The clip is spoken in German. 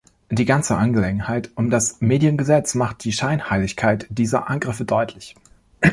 Die ganze Angelegenheit um das Mediengesetz macht die Scheinheiligkeit dieser Angriffe deutlich.